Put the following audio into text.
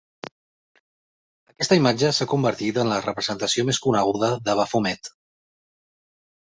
Aquesta imatge s'ha convertit en la representació més coneguda de Bafomet.